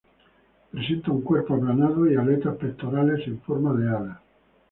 Presenta un cuerpo aplanado y aletas pectorales en forma de alas.